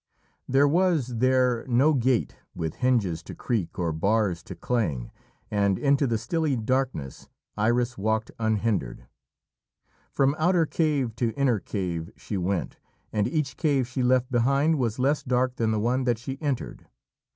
There was there no gate with hinges to creak or bars to clang, and into the stilly darkness Iris walked unhindered. From outer cave to inner cave she went, and each cave she left behind was less dark than the one that she entered.